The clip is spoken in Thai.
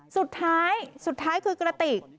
สุดท้ายสุดท้ายคือกระติก